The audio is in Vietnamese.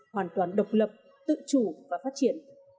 hoàn toàn độc lập tự chủ và phát triển